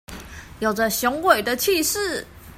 有著雄偉的氣勢